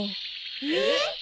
えっ？